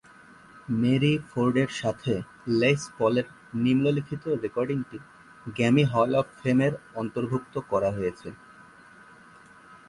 Mary ফোর্ডের সাথে Les পলের নিম্নলিখিত রেকর্ডিং গ্র্যামি হল অফ ফেমের অর্ন্তভুক্ত করা হয়েছে।